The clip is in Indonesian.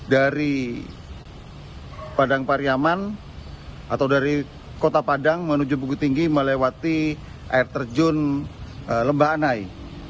dari padang pariaman atau dari kota padang menuju buku tinggi melewati air terjun lembahanai